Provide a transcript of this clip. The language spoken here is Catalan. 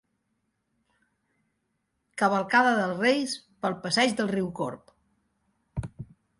Cavalcada de Reis pel passeig del riu Corb.